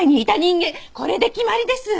これで決まりです！